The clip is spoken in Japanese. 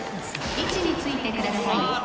位置についてくださいさあ